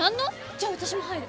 じゃあ私も入る！